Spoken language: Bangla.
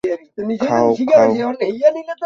খাও, খাও।